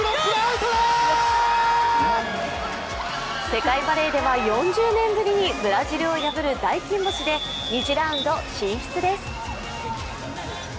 世界バレーでは４０年ぶりにブラジルを破る大金星で２次ラウンド進出です。